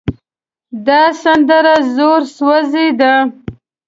دا سندره زړوسوزه ده.